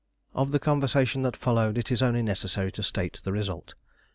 Of the conversation that followed, it is only necessary to state the result.